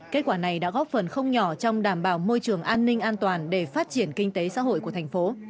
kết quả này đã góp phần không nhỏ trong đảm bảo môi trường an ninh an toàn để phát triển kinh tế xã hội của thành phố